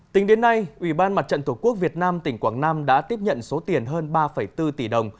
tính đến nay ủy ban mặt trận tổ quốc việt nam tỉnh quảng nam đã tiếp nhận số tiền hơn ba bốn tỷ đồng